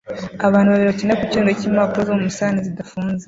Abana babiri bakina mu kirundo cy'impapuro zo mu musarani zidafunze